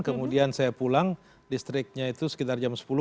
kemudian saya pulang listriknya itu sekitar jam sepuluh baru nyala sepuluh menit